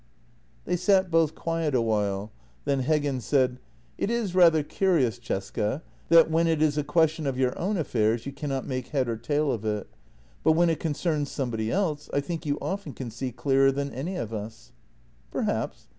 They sat both quiet a while, then Heggen said: " It is rather curious, Cesca, that when it is a question of your own affairs you cannot make head or tail of it, but when it concerns somebody else, I think you often can see clearer than any of us." " Perhaps.